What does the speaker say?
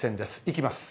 いきます。